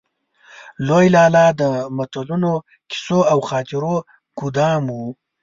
لوی لالا د متلونو، کيسو او خاطرو ګودام و.